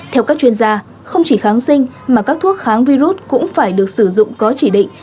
theo các chuyên gia không chỉ kháng sinh mà các thuốc kháng virus cũng phải được sử dụng có chỉ định